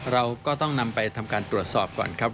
เราก็ต้องนำไปทำการตรวจสอบก่อนครับ